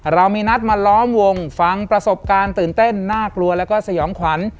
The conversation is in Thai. เรามีนัดมาล้อมวงฟังประสบการณ์ตื่นเต้นน่ากลัวแล้วก็สยองขวัญ